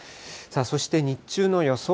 そして日中の予想